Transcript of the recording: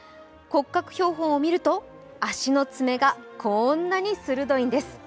骨格標本を見ると、足の爪がこんなに鋭いんです。